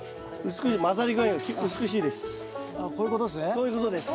そういうことです。